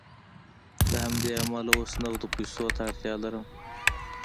له همدې امله اوس نغدو پیسو ته اړتیا لرم